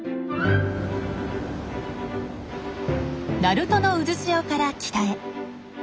「鳴門の渦潮」から北へ。